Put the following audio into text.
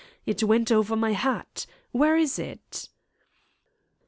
It went over my hat. Where is it?"